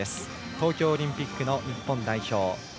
東京オリンピックの日本代表。